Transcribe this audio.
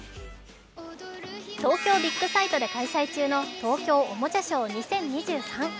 東京ビッグサイトで開催中の東京おもちゃショー２０２３。